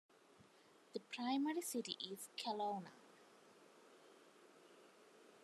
The primary city is Kelowna.